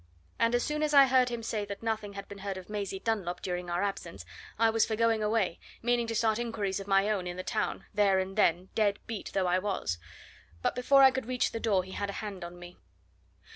And as soon as I heard him say that nothing had been heard of Maisie Dunlop during our absence, I was for going away, meaning to start inquiries of my own in the town, there and then, dead beat though I was. But before I could reach the door he had a hand on me.